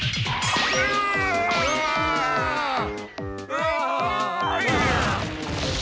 うわ！